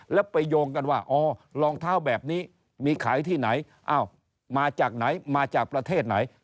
แล้วไปโยงกันว่าอ๋อรองเท้าแบบนี้มีขายที่ไหนอ้าวมาจากไหนมาจากประเทศไหน